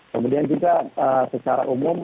kemudian juga secara umum